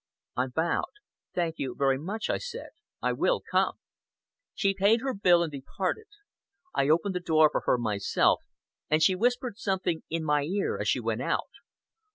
I bowed. "Thank you very much," I said, "I will come!" She paid her bill and departed. I opened the door for her myself, and she whispered something in my ear as she went out.